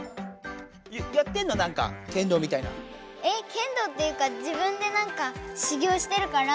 けん道っていうか自分でなんか修行してるから。